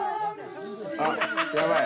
あっやばい。